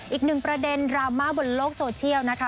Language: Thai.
อีกหนึ่งประเด็นดราม่าบนโลกโซเชียลนะคะ